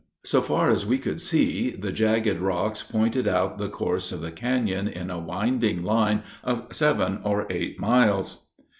So far as we could see, the jagged rocks pointed out the course of the canon, on a winding line of seven or eight miles.